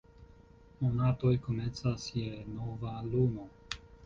Monatoj komencas je nova luno.